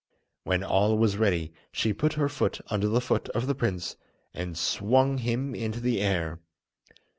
When all was ready, she put her foot under the foot of the prince and swung him into the air.